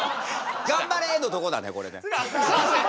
「頑張れ！」のとこだねこれね。